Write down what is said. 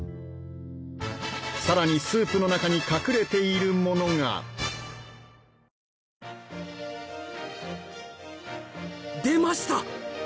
更にスープの中に隠れているものが出ました！